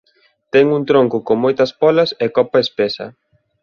Ten un tronco con moitas pólas e copa espesa.